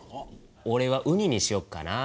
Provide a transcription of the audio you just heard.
おれはウニにしよっかな。